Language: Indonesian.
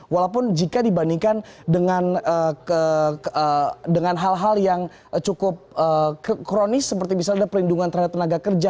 walaupun jika dibandingkan dengan hal hal yang cukup kronis seperti misalnya perlindungan terhadap tenaga kerja